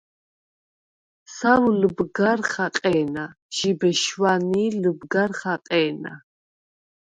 სავ ლჷბგარ ხაყე̄ნა, ჟიბე შვანი̄ ლჷბგარ ხაყე̄ნა.